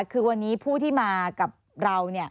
คือวันนี้ผู้ที่มากับเรา